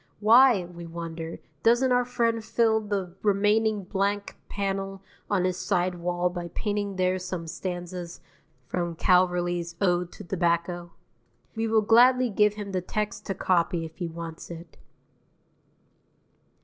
Why, we wonder, doesn't our friend fill the remaining blank panel on his side wall by painting there some stanzas from Calverley's "Ode to Tobacco?" We will gladly give him the text to copy if he wants it.